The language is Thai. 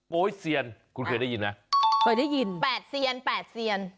โป๊ยเซียนคุณเคยได้ยินไหมเคยได้ยินแปดเซียนแปดเซียน